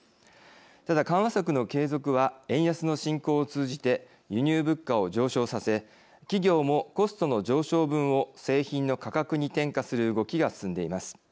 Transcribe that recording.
ただ緩和策の継続は円安の進行を通じて輸入物価を上昇させ企業もコストの上昇分を製品の価格に転嫁する動きが進んでいます。